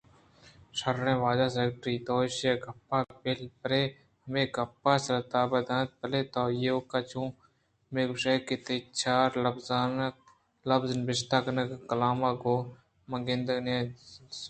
شرّیں واجہ سیکرٹری! تو ایشیءِ گپاں بلّ برے ہمے گپ ءِ سر ءَ تاب دنت بلئے تو ایوک ءَ چو بہ گوٛش کہ تئی چار لبز نبشتہ کنگ ءَ کلام گوں من گند ءُنند ءَ ساڑی بیت